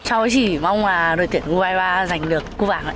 cháu chỉ mong là đội tuyển u hai mươi ba giành được cúp vàng ạ